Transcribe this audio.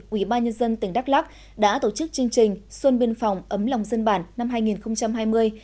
ủy ban nhân dân tỉnh đắk lắc đã tổ chức chương trình xuân biên phòng ấm lòng dân bản năm hai nghìn hai mươi